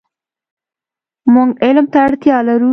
مونږ علم ته اړتیا لرو .